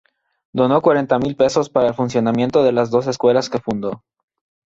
Donó cuarenta mil pesos para el funcionamiento de las dos escuelas que fundó.